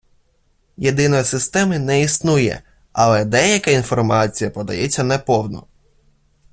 Єдиної системи не існує «Але деяка інформація подається неповно.